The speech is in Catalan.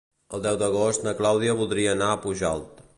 El deu d'agost na Clàudia voldria anar a Pujalt.